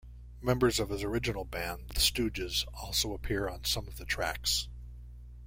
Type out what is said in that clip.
Members of his original band The Stooges also appear on some of the tracks.